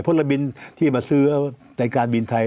พลบินที่มาซื้อในการบินไทย